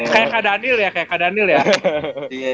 kayak kak daniel ya